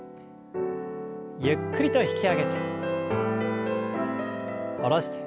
ゆっくりと引き上げて下ろして。